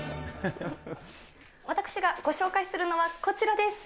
私がご紹介するのはこちらです。